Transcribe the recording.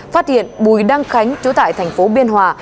phát hiện bùi đăng khánh chú tại tp biên hòa